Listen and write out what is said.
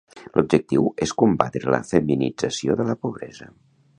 L'objectiu és combatre la feminització de la pobresa.